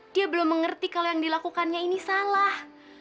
dia belum mengerti kalau yang dilakukannya ini salah